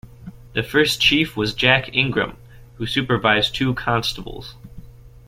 The first chief was Jack Ingram, who supervised two constables.